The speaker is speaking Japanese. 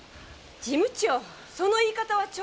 事務長その言い方はちょっと。